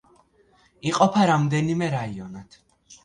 იყოფა რამდენიმე რაიონად.